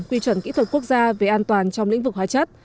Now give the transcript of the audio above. quy chuẩn kỹ thuật quốc gia về an toàn trong lĩnh vực hóa chất